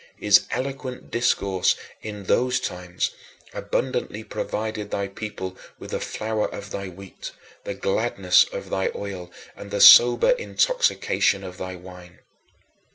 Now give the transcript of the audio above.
His eloquent discourse in those times abundantly provided thy people with the flour of thy wheat, the gladness of thy oil, and the sober intoxication of thy wine.